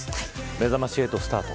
めざまし８スタート。